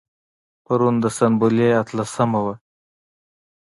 پرون د سنبلې اتلسمه وه.